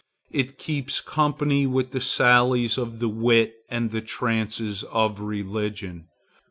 It keeps company with the sallies of the wit and the trances of religion.